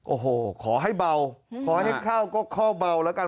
โอ้โหขอให้เบาขอให้เข้าก็เข้าเบาแล้วกัน